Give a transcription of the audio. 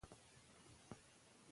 دا کار د افغاني کرنسۍ ارزښت لوړوي.